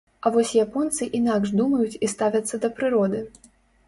А вось японцы інакш думаюць і ставяцца да прыроды.